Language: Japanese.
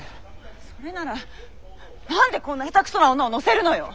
それなら何でこんな下手くそな女を乗せるのよ！